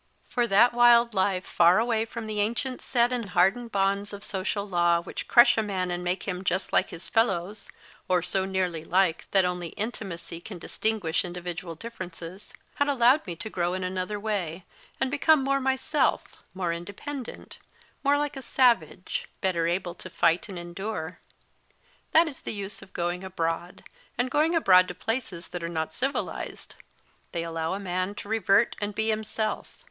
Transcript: Eor that wild life, far away from the ancient set and hardened bonds of social law which crush a man and make him just like his fellows, or so nearly like that only intimacy can distinguish individual differences, had allowed me to grow in another way, and become more myself; more independent, more like a savage, better able to fight and endure. That is the use of going abroad, and going abroad to places that are not civilised. They allow a man to revert and be himself.